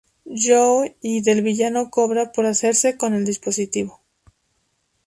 Joe y del villano Cobra por hacerse con el dispositivo.